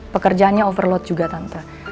pekerjaannya overload juga tante